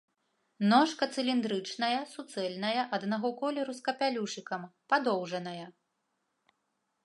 Ножка цыліндрычная, суцэльная, аднаго колеру з капялюшыкам, падоўжаная.